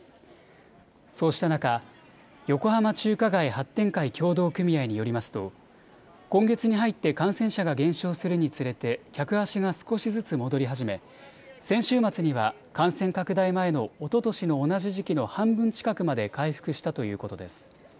そうした中、横浜中華街発展会協同組合によりますと今月に入って感染者が減少するにつれて客足が少しずつ戻り始め先週末には感染拡大前のおととしの同じ時期の半分近くまで回復したということです。